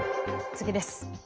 次です。